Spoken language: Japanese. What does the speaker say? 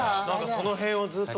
そのへんをずっと。